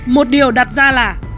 một điều đặt ra là